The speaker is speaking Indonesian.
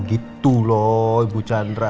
gitu lho ibu chandra